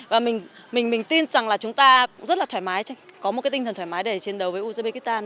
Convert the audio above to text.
và mình tin rằng là chúng ta cũng rất là thoải mái có một cái tinh thần thoải mái để chiến đấu với uzbekistan